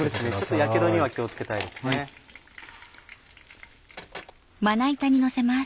やけどには気を付けたいですね。